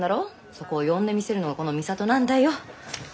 そこを呼んでみせるのがこの巳佐登なんだよ。